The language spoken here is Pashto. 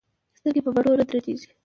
سترګې په بڼو نه درنې ايږي